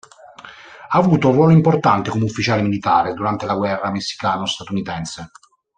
Ha avuto un ruolo importante come ufficiale militare durante la guerra messicano-statunitense.